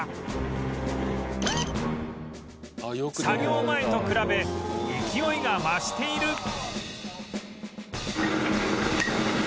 作業前と比べ勢いが増している